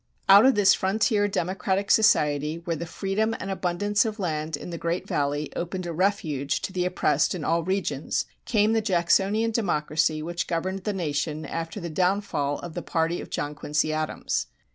Out of this frontier democratic society where the freedom and abundance of land in the great Valley opened a refuge to the oppressed in all regions, came the Jacksonian democracy which governed the nation after the downfall of the party of John Quincy Adams.